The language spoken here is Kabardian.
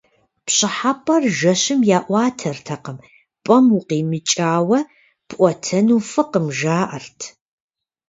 ПщӀыхьэпӀэр жэщым яӀуатэртэкъым, пӀэм укъимыкӀауэ пӀуэтэну фӀыкъым, жаӀэрт.